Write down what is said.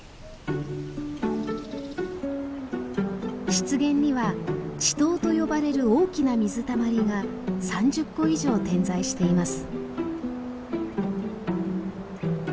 湿原には「池塘」と呼ばれる大きな水たまりが３０個以上点在しています。